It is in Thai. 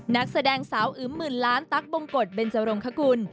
นักแสดงสาวอึมหมื่นล้านตั๊กบงกฎเบนจรงคกุล